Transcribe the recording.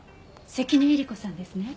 関根えり子さんですね？